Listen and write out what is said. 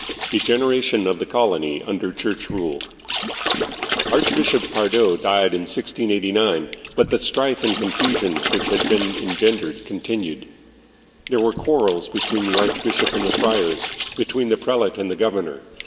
Degeneration of the Colony under Church Rule. Archbishop Pardo died in 1689, but the strife and con fusion which had been engendered continued. There were quarrels between the archbishop and the friars, between the prelate and the governor.